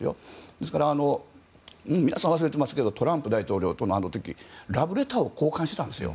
ですから、皆さん忘れてますけどトランプ大統領とのあの時ラブレターを交換したんですよ。